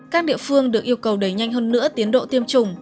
các địa phương được yêu cầu đẩy nhanh hơn nữa tiến độ tiêm chủng